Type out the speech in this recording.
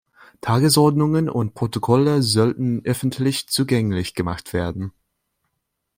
Tagesordnungen und Protokolle sollten öffentlich zugänglich gemacht werden.